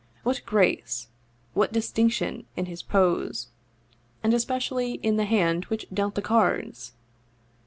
What grace, what distinction in his pose, and especially in the hand which dealt the cards!